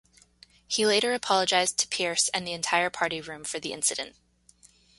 He later apologised to Pearce and the entire party room for the incident.